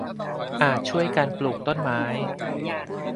อาจช่วยกันปลูกต้นไม้